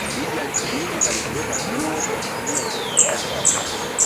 Idi Amin aliutoroka mji huo kwa kutumia helikopta ya jeshi